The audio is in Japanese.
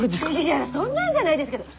いやそんなんじゃないですけど！